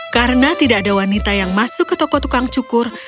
karena tidak ada wanita yang masuk ke toko tukang cukur